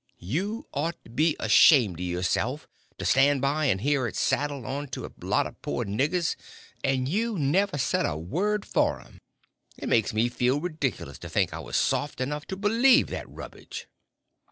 You ought to been ashamed of yourself to stand by and hear it saddled on to a lot of poor niggers, and you never say a word for 'em. It makes me feel ridiculous to think I was soft enough to believe that rubbage.